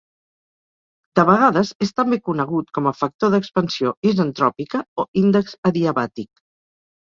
De vegades és també conegut com a factor d'expansió isentròpica o índex adiabàtic.